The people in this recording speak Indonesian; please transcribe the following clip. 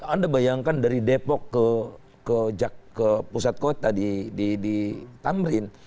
anda bayangkan dari depok ke pusat kota di tamrin